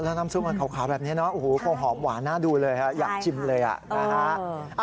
เออแล้วน้ำซุปมันเข้าขาวแบบเนี้ยเนอะโอ้โหคงหอมหวาน่าดูเลยหรือยักจิ้มเลยอ่ะ